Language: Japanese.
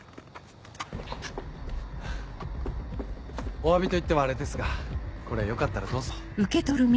おわびといってはあれですがこれよかったらどうぞ。